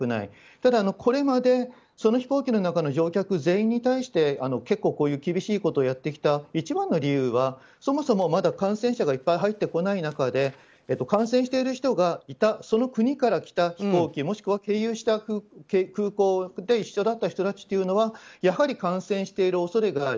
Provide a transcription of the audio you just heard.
ただ、これまでその飛行機の乗客全員に対して厳しいことをやってきた一番の理由は、そもそもまだ感染者がいっぱい入ってこない中で感染している人がいたその国から来た飛行機もしくは経由した空港で一緒だった人たちというのはやはり感染している恐れがある。